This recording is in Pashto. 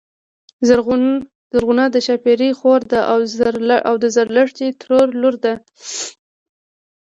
زرغونه د ښاپيرې خور ده او د زرلښتی د ترور لور ده